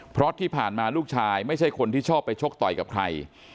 เพราะที่ผ่านมาลูกชายไม่ใช่คนที่ชอบไปชกต่อยกับใคร